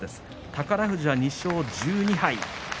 宝富士は２勝１２敗。